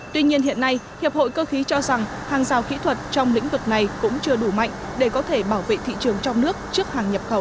tuy nhiên hiện nay hiệp hội cơ khí cho rằng hàng rào kỹ thuật trong lĩnh vực này cũng chưa đủ mạnh để có thể bảo vệ thị trường trong nước trước hàng nhập khẩu